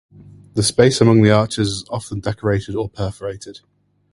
The space among the arches is often decorated or perforated.